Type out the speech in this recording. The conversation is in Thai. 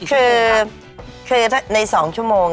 คุณก็ต้องฝึกประมาณกี่ชั่วโมงค่ะ